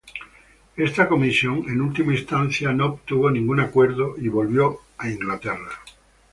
Esta comisión, en última instancia, no obtuvo ningún acuerdo y volvió a Inglaterra.